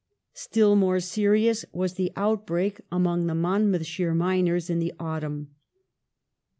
Still more serious was the outbreak among the Monmouthshire miners in the autumn.